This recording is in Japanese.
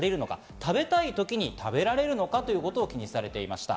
食べたい時に食べられるのかということを気にされていました。